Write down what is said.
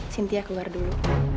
sintia keluar dulu